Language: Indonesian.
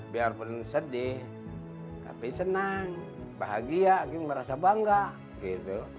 biarpun sedih tapi senang bahagia merasa bangga gitu